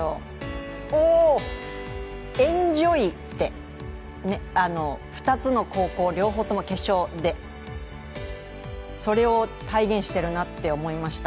エンジョイって、２つの高校両方とも決勝で、それを体現してるなと思いました。